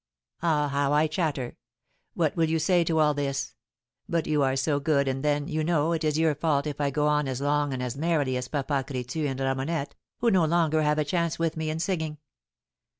Ah, how I chatter! What will you say to all this? But you are so good, and then, you know, it is your fault if I go on as long and as merrily as Papa Crétu and Ramonette, who no longer have a chance with me in singing.